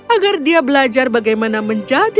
agar dia belajar bagaimana menjaga diri